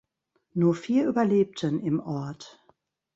Nur vier überlebten im Ort.